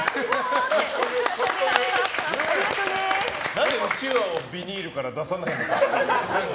何でうちわをビニールから出さないのか。